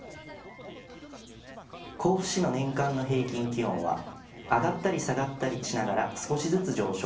甲府市の年間の平均気温は上がったり下がったりしながら少しずつ上昇。